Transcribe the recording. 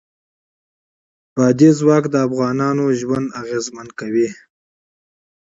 بادي انرژي د افغانانو ژوند اغېزمن کوي.